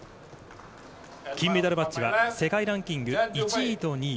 金メダルマッチは世界ランキング１位と２位。